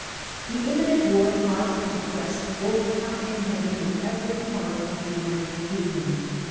Tlio imminent war caused a press, both hot and heavy, in every part of the United Kingdom.